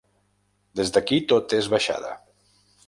Des d'aquí tot és baixada.